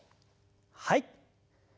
はい。